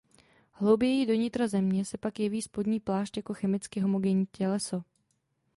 Hlouběji do nitra Země se pak jeví spodní plášť jako chemicky homogenní těleso.